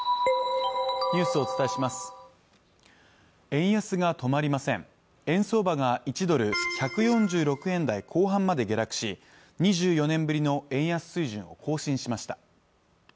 円安が止まりません円相場が１ドル１４６円台後半まで下落し２４年ぶりの円安水準を更新しました